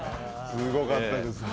すごかったですね。